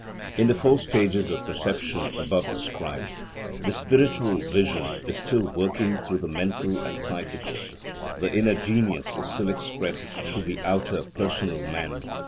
In the four stages of perception above described, the spiritual vision is still working through the mental and psychical, the inner genius is still expressed through the outer, personal man.